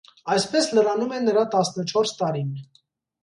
Այսպես լրանում է նրա տասնչորս տարին։